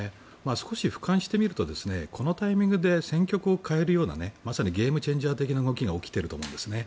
少し俯瞰して見るとこのタイミングで選挙区を変えるようなまさにゲームチェンジャー的な動きが起きていると思うんですよね。